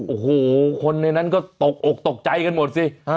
โอ้โหคนในนั้นก็ตกอกตกใจกันหมดสิ